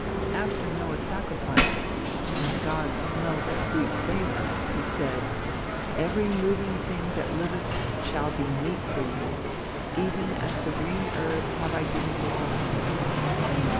After Noah sacrificed, and God smelled the sweet savor; he said "Every moving thing that liveth shall be meat for you, even as the green herb have I given you all things."